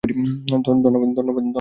ধন্যবাদ, আইস, সবকিছুর জন্য।